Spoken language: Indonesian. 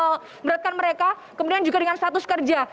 menyusui itu tentu saja memeratkan mereka kemudian juga dengan status kerja